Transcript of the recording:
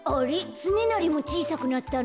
つねなりもちいさくなったの？